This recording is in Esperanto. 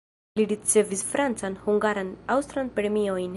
Li ricevis francan, hungaran, aŭstran premiojn.